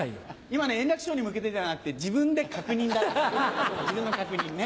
今円楽師匠に向けてではなくて自分で確認だったの自分の確認ね。